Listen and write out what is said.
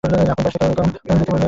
আপনার বয়স থেকেও কম।